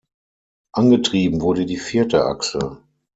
Angetrieben wurde die vierte Achse.